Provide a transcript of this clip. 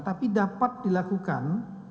tapi dapat dilakukan